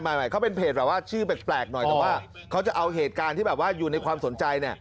ไม่เขาเป็นเพจชื่อแบกหน่อยแต่ว่าเขาจะเอาเหตุการณ์ที่อยู่ในความสนใจ